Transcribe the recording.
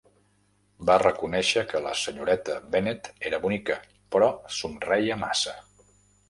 Va reconèixer que la senyoreta Bennett era bonica, però somreia massa.